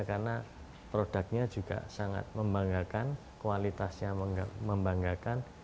karena produknya juga sangat membanggakan kualitasnya membanggakan